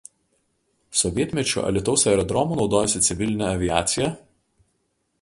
Sovietmečiu Alytaus aerodromu naudojosi civilinė aviacija.